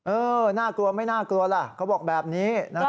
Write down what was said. เออน่ากลัวไม่น่ากลัวล่ะเขาบอกแบบนี้นะครับ